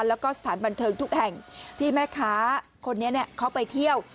แล้วก็สถานบันเทิงทุกแห่งที่แม่ค้าคนนี้เขาไปเที่ยว